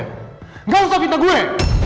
nggak usah pinta gue